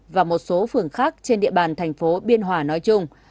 và một số phường khác trên địa bàn thành phố biên hòa nói chung